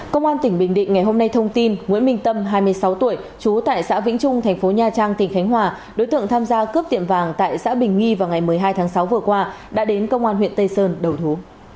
công an tỉnh bình định ngày hôm nay thông tin nguyễn minh tâm hai mươi sáu tuổi trú tại xã vĩnh trung thành phố nha trang tỉnh khánh hòa đối tượng tham gia cướp tiệm vàng tại xã bình nghi vào ngày một mươi hai tháng sáu vừa qua đã đến công an huyện tây sơn đầu thú